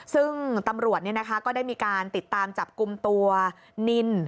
ซึ่งตำรวจก็ได้มีการติดตามจับกลุ่มตัวนิน